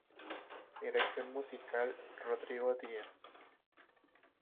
Dirección musical: Rodrigo Díaz